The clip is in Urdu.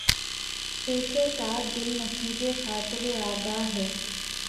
پیچ و تابِ دل نصیبِ خاطرِ آگاہ ہے